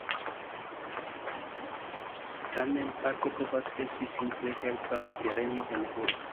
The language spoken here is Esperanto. Tamen, parko povas esti simple herba tereno en urbo.